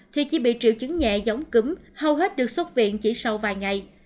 thì chỉ bị triệu chứng nhẹ giống cúm hầu hết được xuất viện chỉ sau vài ngày